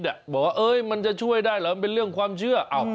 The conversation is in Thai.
บอกว่ามันจะช่วยได้เหรอมันเป็นเรื่องความเชื่อ